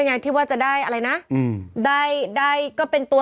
หลากหลายรอดอย่างเดียว